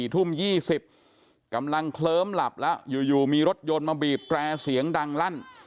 ทุ่ม๒๐กำลังเคลิ้มหลับแล้วอยู่มีรถยนต์มาบีบแตรเสียงดังลั่น